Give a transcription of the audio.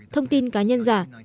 thông tin cá nhân giả